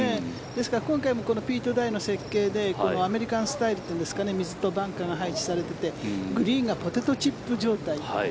ですから、今回もピート・ダイの設計でアメリカンスタイルといいますか水とバンカーが配置されていてグリーンがポテトチップ状態。